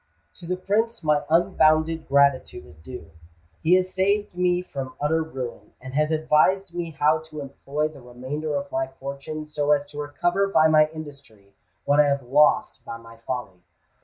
"To the Prince my unbounded gratitude is due. He has saved me from utter ruin, and has advised me how to employ the remainder of my fortune so as to recover by my industry what I have lost by my folly.